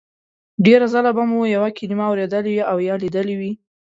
ډېر ځله به مو یوه کلمه اورېدلې او لیدلې وي